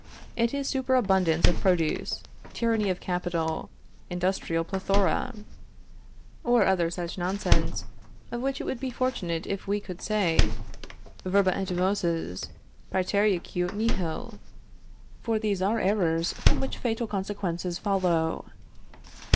It is superabundance of produce, tyranny of capital, industrial plethora, or other such nonsense, of which, it would be fortunate if we could say: Verba et voces prætereaque nihil, for these are errors from which fatal consequences follow.